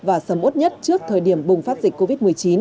và sầm út nhất trước thời điểm bùng phát dịch covid một mươi chín